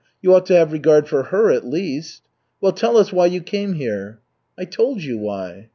You ought to have regard for her at least. Well, tell us why you came here?" "I told you why."